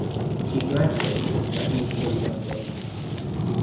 She graduates a beautiful young lady.